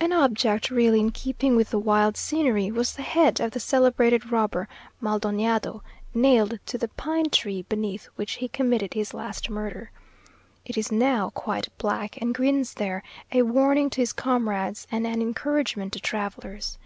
An object really in keeping with the wild scenery, was the head of the celebrated robber MalDoñado, nailed to the pine tree beneath which he committed his last murder. It is now quite black, and grins there, a warning to his comrades and an encouragement to travellers.